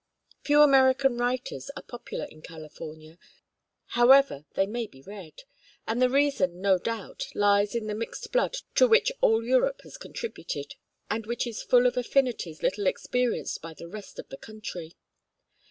Few American writers are popular in California, however they may be read; and the reason, no doubt, lies in the mixed blood to which all Europe has contributed, and which is full of affinities little experienced by the rest of the country.